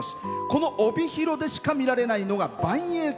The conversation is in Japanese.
この帯広でしか見られないのがばんえい